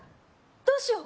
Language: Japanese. どうしよう